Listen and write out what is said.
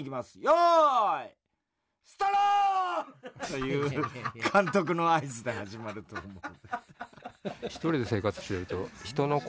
よいスタローン！』という監督の合図で始まると思う」。